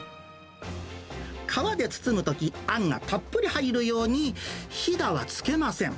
皮で包むとき、あんがたっぷり入るように、ひだはつけません。